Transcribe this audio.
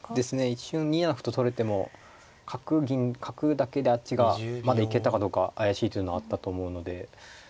一瞬２七歩と取れても角銀角だけであっち側まで行けたかどうか怪しいというのはあったと思うので。